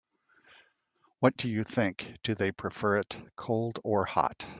What do you think, do they prefer it cold or hot?